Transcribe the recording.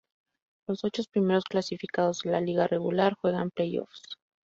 Los ochos primeros clasificados de la liga regular juegan play-offs.